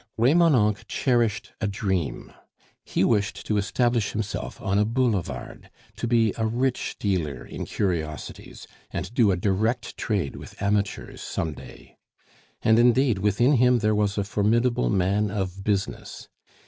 Remonencq cherished a dream! He wished to establish himself on a boulevard, to be a rich dealer in curiosities, and do a direct trade with amateurs some day. And, indeed, within him there was a formidable man of business.